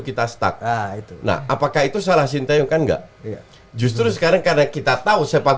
kita stuck itu nah apakah itu salah sinteyong kan enggak justru sekarang karena kita tahu sepak